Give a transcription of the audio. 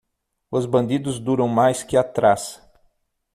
Os bandidos duram mais que a traça.